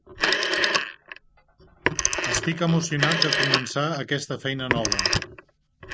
Estic emocionat de començar aquesta feina nova.